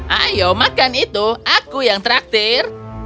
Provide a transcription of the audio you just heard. ayo makan itu aku yang traktir